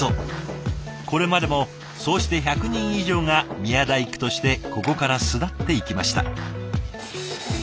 これまでもそうして１００人以上が宮大工としてここから巣立っていきました。